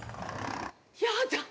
やだ！